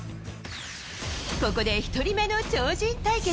ここで１人目の超人対決。